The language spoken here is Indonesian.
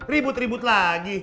ribut ribut lagi